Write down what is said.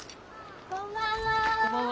こんばんは。